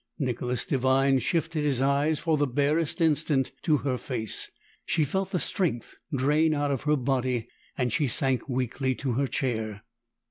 Nicholas Devine shifted his eyes for the barest instant to her face; she felt the strength drain out of her body, and she sank weakly to her chair.